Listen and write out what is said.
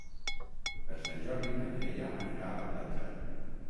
Per Sant Jordi na Mireia anirà a la platja.